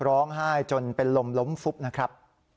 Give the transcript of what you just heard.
ร้องไห้จนเป็นลมล้มฟุบนะครับ